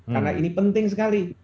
karena ini penting sekali